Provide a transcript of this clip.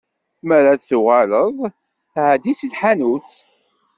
Mi ara tuɣaleḍ, εeddi si tḥanut.